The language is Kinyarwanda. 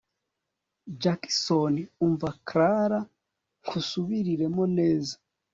Jackson umva Clara nkusubireremo neza